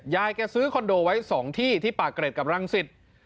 ยายแกซื้อคอนโดไว้๒ที่ที่ปากเกร็ดกับรังสิต